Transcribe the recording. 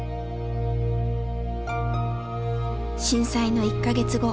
震災の１か月後。